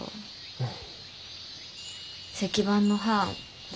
うん。